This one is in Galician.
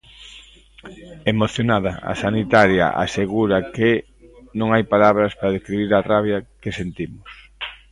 Emocionada, a sanitaria asegura que "non hai palabras para describir a rabia que sentimos".